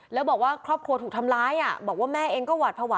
แล้วบอกว่าครอบครัวถูกทำร้ายบอกว่าแม่เองก็หวาดภาวะ